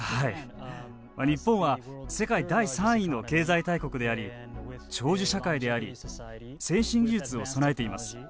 日本は、世界第３位の経済大国であり、長寿社会であり先進技術を備えています。